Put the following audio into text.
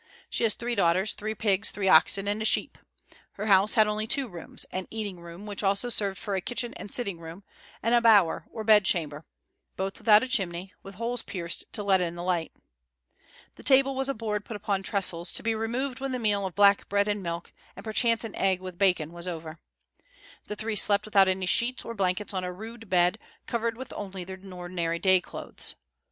She has three daughters, three pigs, three oxen, and a sheep. Her house had only two rooms, an eating room, which also served for a kitchen and sitting room, and a bower or bedchamber, both without a chimney, with holes pierced to let in the light. The table was a board put upon trestles, to be removed when the meal of black bread and milk, and perchance an egg with bacon, was over. The three slept without sheets or blankets on a rude bed, covered only with their ordinary day clothes.